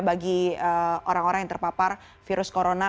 bagi orang orang yang terpapar virus corona